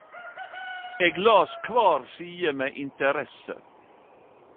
Eg las kvar side med interesse.